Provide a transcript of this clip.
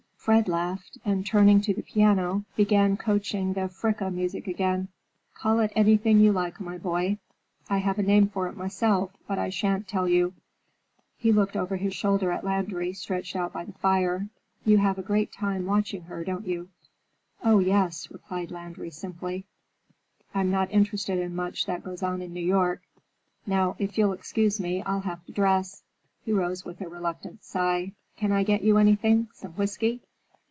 Fred laughed, and turning to the piano began coaxing the Fricka music again. "Call it anything you like, my boy. I have a name for it myself, but I shan't tell you." He looked over his shoulder at Landry, stretched out by the fire. "You have a great time watching her, don't you?" "Oh, yes!" replied Landry simply. "I'm not interested in much that goes on in New York. Now, if you'll excuse me, I'll have to dress." He rose with a reluctant sigh. "Can I get you anything? Some whiskey?"